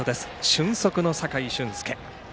俊足の酒井駿輔。